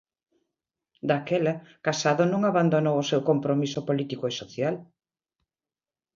Daquela, Casado non abandonou o seu compromiso político e social.